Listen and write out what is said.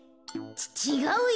ちがうよ！